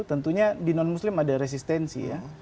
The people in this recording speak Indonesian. tentunya di non muslim ada resistensi ya